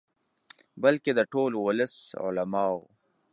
بلکې د ټول ولس، علماؤ.